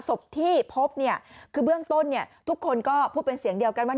ศพที่พบเนี่ยคือเบื้องต้นทุกคนก็พูดเป็นเสียงเดียวกันว่า